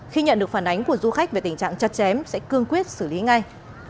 khi nhận được phản ánh của du khách về tình trạng chặt chém sẽ cương quyết xử lý ngay